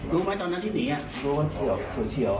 รู้ไหมตอนนั้นที่หนี